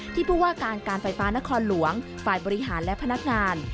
ผู้ว่าการการไฟฟ้านครหลวงฝ่ายบริหารและพนักงาน